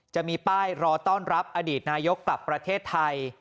จะมีป้ายรอต้อนรับอดีตนายกกลับประเทศไทย